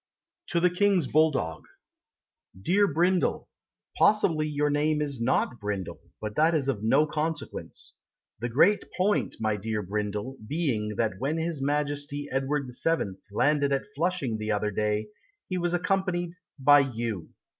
TO THE KING'S BULLDOG Dear Brindle, Possibly your name is not Brindle, But that is of no consequence; The great point, my dear Brindle, being That when his Majesty Edward VII. Landed at Flushing the other day He was accompanied By You.